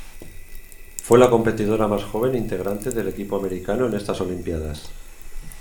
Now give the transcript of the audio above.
Fue la competidora más joven integrante del equipo americano en estas Olimpíadas.